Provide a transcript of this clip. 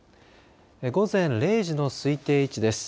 午前０時の推定位置です。